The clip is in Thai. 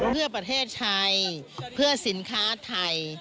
เพื่อประเทศไทยเพื่อสินค้าไทย